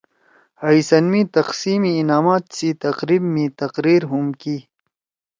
حئی سنز می تقسیم انعامات سی تقریب می تقریر ہُم کی